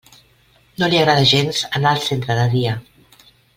No li agrada gens anar al centre de dia.